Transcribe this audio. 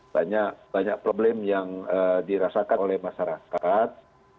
banyak banyak problem yang dirasakan oleh masyarakat